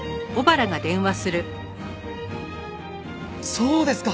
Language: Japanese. そうですか。